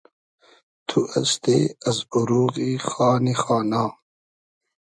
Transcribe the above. تو استې از اوروغی خانی خانا